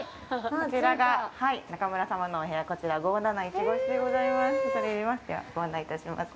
こちらが中村様のお部屋こちら、５７１号室でございます。